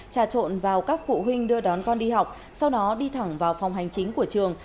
trà trộn vào các phụ huynh đưa đón con đi học sau đó đi thẳng vào phòng hành chính của trường